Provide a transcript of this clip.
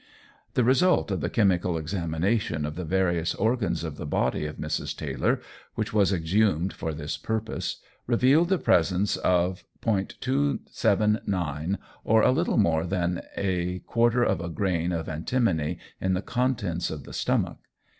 The result of the chemical examination of the various organs of the body of Mrs. Taylor, which was exhumed for this purpose, revealed the presence of ·279, or a little more than a quarter of a grain of antimony in the contents of the stomach.